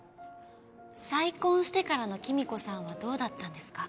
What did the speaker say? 再婚してからの貴美子さんはどうだったんですか？